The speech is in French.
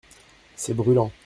C’est brûlant.